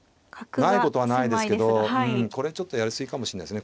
ないことはないですけどうんこれはちょっとやり過ぎかもしれないですね。